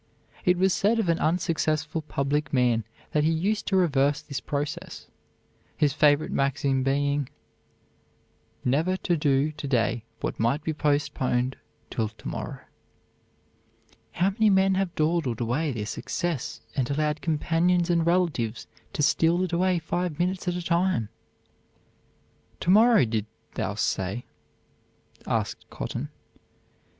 It was said of an unsuccessful public man that he used to reverse this process, his favorite maxim being "never to do to day what might be postponed till to morrow." How many men have dawdled away their success and allowed companions and relatives to steal it away five minutes at a time! "To morrow, didst thou say?" asked Cotton.